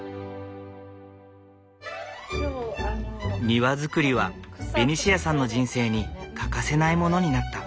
庭造りはベニシアさんの人生に欠かせないものになった。